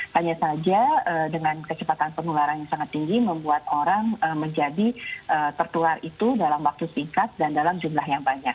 hanya saja dengan kecepatan penularan yang sangat tinggi membuat orang menjadi tertular itu dalam waktu singkat dan dalam jumlah yang banyak